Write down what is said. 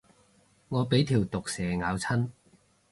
我俾條毒蛇咬親